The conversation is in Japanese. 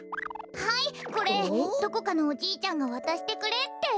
はいこれどこかのおじいちゃんがわたしてくれって。